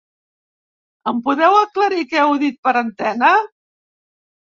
Em podeu aclarir què heu dit per antena?